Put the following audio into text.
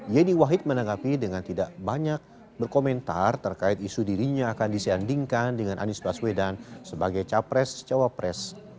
yeni wahid menanggapi dengan tidak banyak berkomentar terkait isu dirinya akan disandingkan dengan anies baswedan sebagai capres cawapres